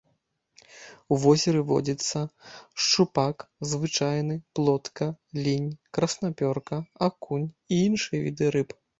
У возеры водзяцца шчупак звычайны, плотка, лінь, краснапёрка, акунь і іншыя віды рыб.